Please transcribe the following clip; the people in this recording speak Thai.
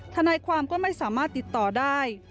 ทนายความก็ไม่สามารถติดต่อได้